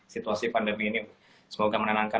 situasi pandemi ini semoga menenangkan